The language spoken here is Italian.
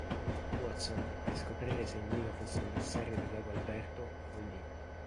Watson, per scoprire se il Nilo fosse immissario del lago Alberto, fallì.